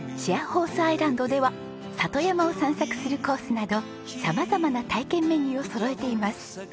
ホースアイランドでは里山を散策するコースなど様々な体験メニューをそろえています。